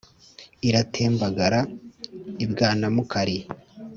iratembagara i bwanamukari,